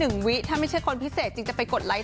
เห็นว่าพี่ก็อตมาไลค์ไหม